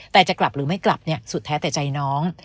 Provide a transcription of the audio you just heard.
แต่จะกลับหรือไม่กลับสุดแท้แต่ใจน้อง